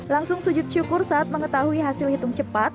langsung sujud syukur saat mengetahui hasil hitung cepat